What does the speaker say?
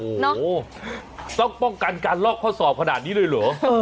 โอ้โหต้องป้องกันการลอกข้อสอบขนาดนี้เลยเหรอ